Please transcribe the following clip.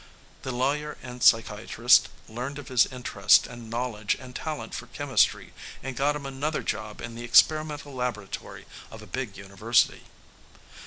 The lawyer and psychiatrist learned of his interest and knowledge and talent for chemistry and got him another job in the experimental laboratory of a big university.